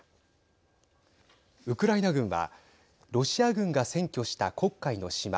ウクライナ軍はロシア軍が占拠した黒海の島